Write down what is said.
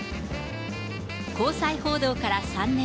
交際報道から３年。